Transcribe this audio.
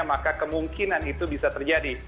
maka kemungkinan itu bisa terjadi